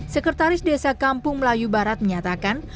sekretaris desa kampung melayu barat menyatakan